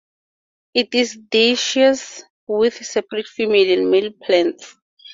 It is dioecious, with separate female and male plants.